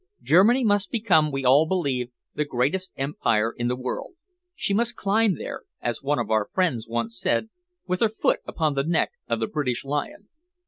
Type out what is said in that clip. Germany must become, we all believe, the greatest empire in the world. She must climb there, as one of our friends once said, with her foot upon the neck of the British lion."